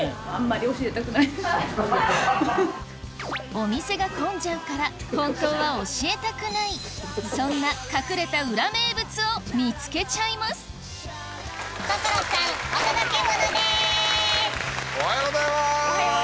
お店が混んじゃうからそんな隠れた裏名物を見つけちゃいますおはようございます！